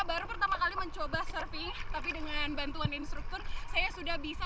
baru pertama kali mencoba surfing tapi dengan bantuan instruktur saya sudah bisa